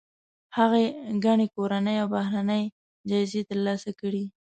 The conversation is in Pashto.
هغې ګڼې کورنۍ او بهرنۍ جایزې ترلاسه کړي.